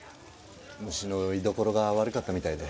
虫の居所が悪かったみたいで。